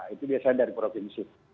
itu biasanya dari provinsi